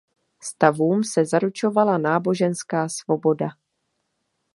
Stavům se zaručovala náboženská svoboda.